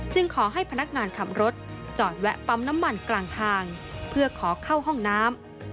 ขอให้พนักงานขับรถจอดแวะปั๊มน้ำมันกลางทางเพื่อขอเข้าห้องน้ำ